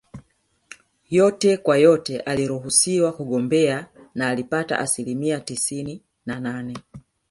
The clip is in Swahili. Yote kwa yote aliruhusiwa kugombea na alipata asilimia tisini na nane